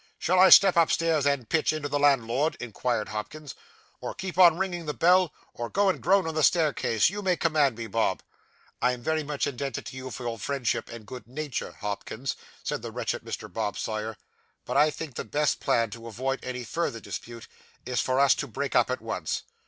'Shall I step upstairs, and pitch into the landlord?' inquired Hopkins, 'or keep on ringing the bell, or go and groan on the staircase? You may command me, Bob.' 'I am very much indebted to you for your friendship and good nature, Hopkins,' said the wretched Mr. Bob Sawyer, 'but I think the best plan to avoid any further dispute is for us to break up at once.